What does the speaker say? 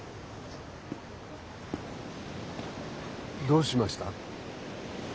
どうしました？